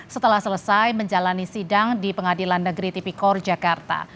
setelah selesai menjalani sidang di pengadilan negeri tipikor jakarta